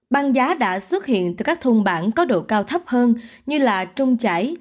băng giá đã xuất hiện từ các thôn bản có độ cao thấp hơn như trung chải